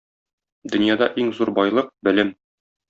Дөньяда иң зур байлык — белем.